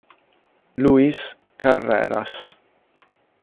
Lluís Carreras